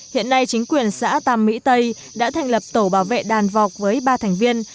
hiện nay chính quyền xã tàm mỹ tây đã thành lập tổ bảo vệ đàn vọc với ba thành viên